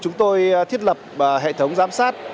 chúng tôi thiết lập hệ thống giám sát